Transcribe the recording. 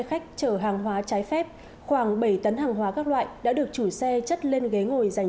khách chở hàng hóa trái phép khoảng bảy tấn hàng hóa các loại đã được chủ xe chất lên ghế ngồi dành